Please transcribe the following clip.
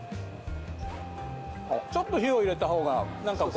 ちょっと火を入れた方がなんかこう。